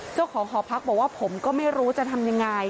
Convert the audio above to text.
เจ้าของหอพักบอกว่าผมก็ไม่รู้จะทำยังไง